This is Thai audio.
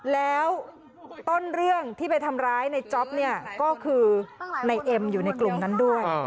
แล้วต้นเรื่องที่ไปทำร้ายในจ๊อปเนี่ยก็คือในเอ็มอยู่ในกลุ่มนั้นด้วย